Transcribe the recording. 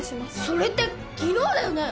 それって昨日だよね！？